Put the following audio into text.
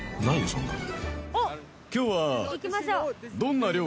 そんなの］